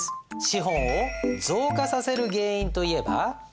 資本を増加させる原因といえば？